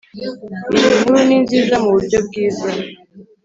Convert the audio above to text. iyinkuru ninziza muburyo bwiza